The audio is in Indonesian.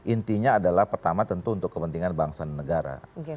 intinya adalah pertama tentu untuk kepentingan bangsa dan negara